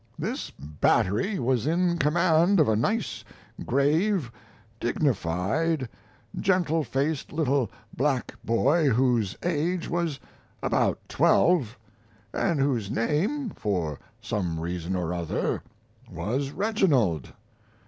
This battery was in command of a nice, grave, dignified, gentlefaced little black boy whose age was about twelve, and whose name, for some reason or other, was Reginald.